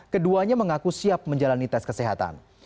keduanya mengaku siap menjalani tes kesehatan